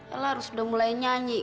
ella harus udah mulai nyanyi